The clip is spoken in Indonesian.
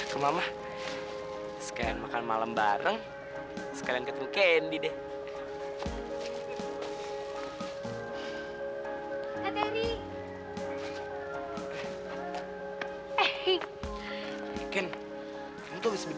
buat makan malam ntar